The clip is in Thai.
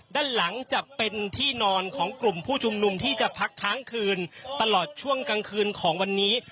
ด้านหลังจะเป็นที่นอนของกลุ่มผู้ชุมนุมที่จะพักค้างคืนตลอดช่วงกลางคืนของวันนี้